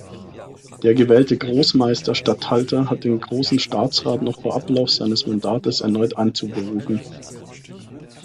Der gewählte Großmeister-Statthalter hat den Großen Staatsrat noch vor Ablauf seines Mandates erneut einzuberufen.